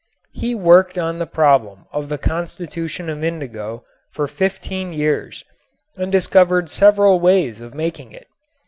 He worked on the problem of the constitution of indigo for fifteen years and discovered several ways of making it.